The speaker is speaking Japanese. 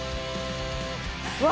うわ！